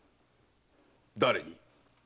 誰に？